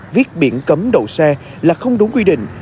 viết biển cấm đầu xe là không đúng quy định